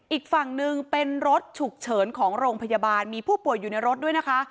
อีกฝั่งหนึ่งเป็นรถฉุกเฉินของโรงพยาบาลมีผู้ป่วยอยู่ในรถด้วยนะคะ